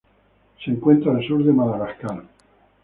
Se encuentra al sur de Madagascar.